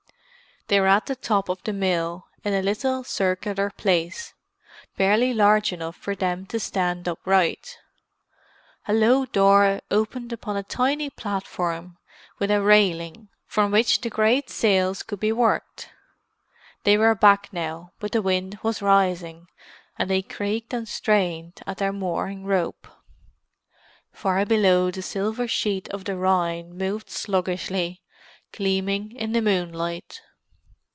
They were at the top of the mill, in a little circular place, barely large enough for them to stand upright. A low door opened upon a tiny platform with a railing, from which the great sails could be worked; they were back now, but the wind was rising, and they creaked and strained at their mooring rope. Far below the silver sheet of the Rhine moved sluggishly, gleaming in the moonlight.